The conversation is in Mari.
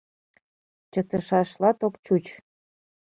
Чытышашлат ок чуч.